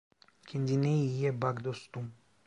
Kendine iyi bak dostum.